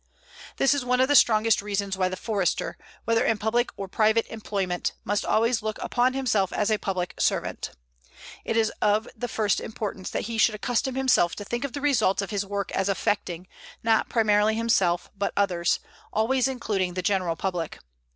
This is one of the strongest reasons why the Forester, whether in public or private employment, must always look upon himself as a public servant. It is of the first importance that he should accustom himself to think of the results of his work as affecting, not primarily himself, but others, always including the general public.